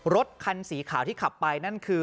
รถคันสีขาวที่ขับไปนั่นคือ